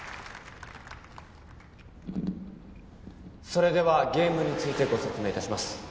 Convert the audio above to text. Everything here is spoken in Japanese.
それではゲームについてご説明いたします